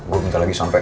gue minta lagi sampai